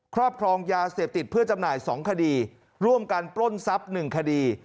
ครอบครองยาเสพติดเพื่อจำหน่าย๒คดีร่วมกันปล้นทรัพย์๑คดี